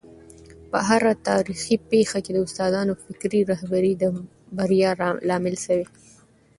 په هره تاریخي پېښه کي د استادانو فکري رهبري د بریا لامل سوی.